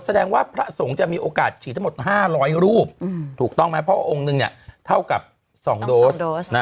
แสดงว่าพระสงฆ์จะมีโอกาสฉีดทั้งหมด๕๐๐รูปถูกต้องไหมเพราะองค์นึงเท่ากับ๒โดส